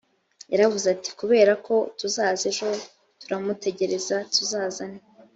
yaravuze ati kubera ko tuzaza ejo turamutegereza tuzazane